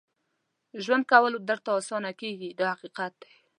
ژوند کول درته اسانه کېږي دا حقیقت دی.